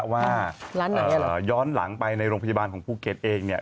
ว่าย้อนหลังไปในโรงพยาบาลของภูเก็ตเองเนี่ย